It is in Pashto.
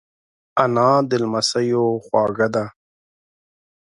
انا د لمسیو خواږه ده